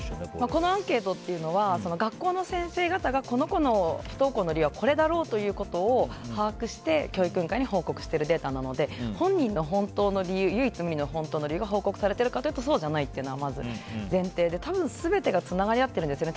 このアンケートは学校の先生方がこの子の不登校の理由はこれだろうということを把握して教育委員会に報告しているデータなので本人の本当の唯一無二の理由が報告されているかというのはそうじゃないというのが前提で全てがつながっているんですよね。